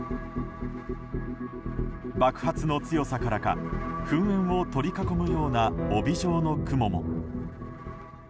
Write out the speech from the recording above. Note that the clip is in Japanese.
爆発の強さからか噴煙を取り囲むような帯状の雲も。